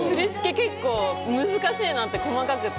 結構難しいなって、細かくて。